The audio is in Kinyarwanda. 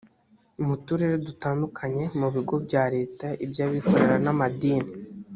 mu turere dutandukanye mu bigo bya leta iby’abikorera n’amadini